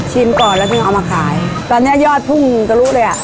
ก่อนแล้วถึงเอามาขายตอนเนี้ยยอดพุ่งทะลุเลยอ่ะ